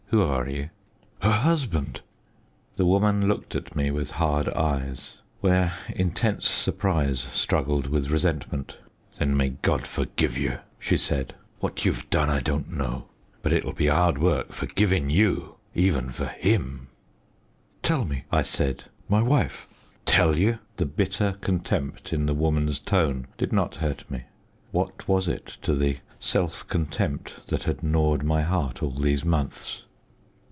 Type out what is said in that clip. Who are you?" "Her husband " The woman looked at me with hard eyes, where intense surprise struggled with resentment. "Then, may God forgive you!" she said. "What you've done I don't know; but it'll be 'ard work forgivin' you even for Him!" "Tell me," I said, "my wife " "Tell you?" The bitter contempt in the woman's tone did not hurt me; what was it to the self contempt that had gnawed my heart all these months?